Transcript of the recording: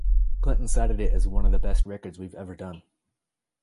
Clinton cited it as "one of the best records we've ever done".